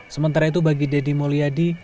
sementara itu bagi deddy mulyadi